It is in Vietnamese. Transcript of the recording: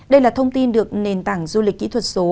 đây là thông tin được nền tảng du lịch kỹ thuật số